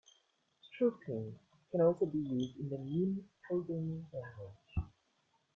Stropping can also be used in the Nim programming language.